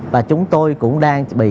và chúng tôi cũng đang bị